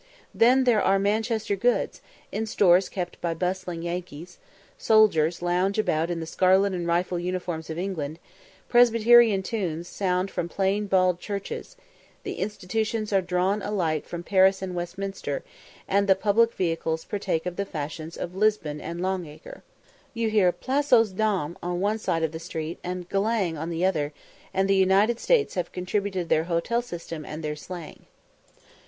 Then there are Manchester goods, in stores kept by bustling Yankees; soldiers lounge about in the scarlet and rifle uniforms of England; Presbyterian tunes sound from plain bald churches; the institutions are drawn alike from Paris and Westminster; and the public vehicles partake of the fashions of Lisbon and Long Acre. You hear "Place aux dames" on one side of the street, and "g'lang" on the other; and the United States have contributed their hotel system and their slang.